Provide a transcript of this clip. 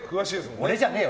俺じゃねえよ！